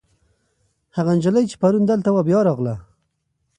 هغه نجلۍ چې پرون دلته وه، بیا راغله.